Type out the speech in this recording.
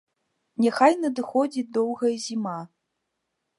Няхай надыходзіць доўгая зіма.